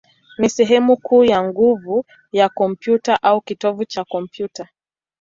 ni sehemu kuu ya nguvu ya kompyuta, au kitovu cha kompyuta.